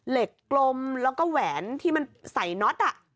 เหล็กกลมแล้วก็แหวนที่มันใส่น็อต